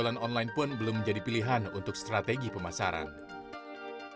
penurunan pun dirasakan oleh penjualan eceran yang berbeda dengan penjualan eceran yang ada di luar negara ini juga